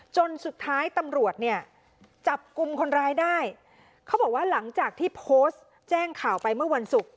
จนสุดท้ายตำรวจเนี่ยจับกลุ่มคนร้ายได้เขาบอกว่าหลังจากที่โพสต์แจ้งข่าวไปเมื่อวันศุกร์